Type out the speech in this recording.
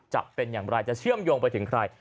จะเป็นอย่างไรจะเชื่อมโยงไปถึงใคร